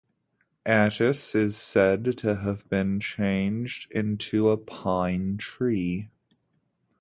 Attis is said to have been changed into a pine tree.